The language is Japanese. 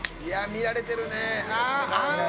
見られてる。